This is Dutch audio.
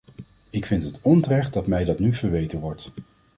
Ik vind het onterecht dat mij dat nu verweten wordt.